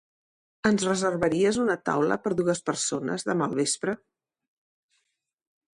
Ens reservaries una taula per dues persones demà al vespre?